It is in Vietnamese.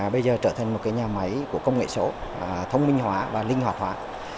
bây giờ trở thành một nhà máy của công nghệ số thông minh hóa và linh hoạt hóa